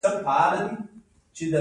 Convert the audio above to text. • سترګې د ژوند توازن ته اړتیا لري.